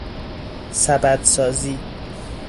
سبدسازی